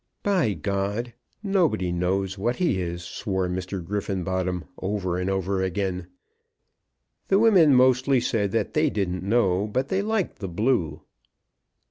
"By G , nobody knows what he is," swore Mr. Griffenbottom over and over again. The women mostly said that they didn't know, but they liked the blue.